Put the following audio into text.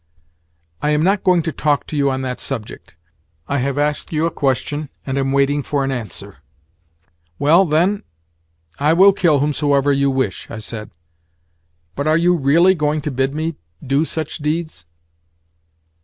"I am not going to talk to you on that subject. I have asked you a question, and am waiting for an answer." "Well, then—I will kill whomsoever you wish," I said. "But are you really going to bid me do such deeds?"